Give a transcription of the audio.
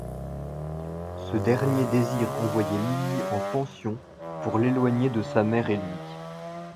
Ce dernier désire envoyer Lily en pension pour l'éloigner de sa mère et lui.